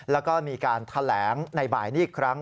แล้วก็มีการแถลงในบ่ายนี้อีกครั้ง